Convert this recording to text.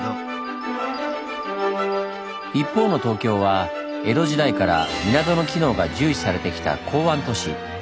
一方の東京は江戸時代から港の機能が重視されてきた港湾都市。